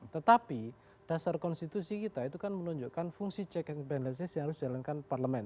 tetapi dasar konstitusi kita itu kan menunjukkan fungsi check and balances yang harus dijalankan parlemen